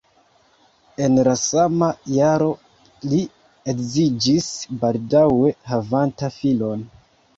En la sama jaro li edziĝis, baldaŭe havanta filon.